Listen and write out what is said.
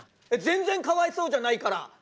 全然かわいそうじゃないから。